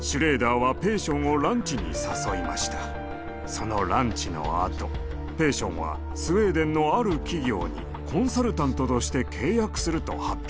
そのランチのあとペーションはスウェーデンのある企業にコンサルタントとして契約すると発表しました。